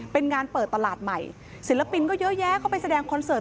เป็นงานเปิดตลาดใหม่ศิลปินก็เยอะแยะเข้าไปแสดงคอนเสิร์ต